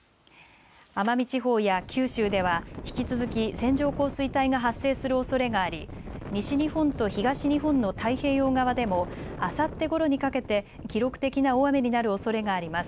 奄美地方や九州では引き続き線状降水帯が発生するおそれがあり西日本と東日本の太平洋側でもあさってごろにかけて記録的な大雨になるおそれがあります。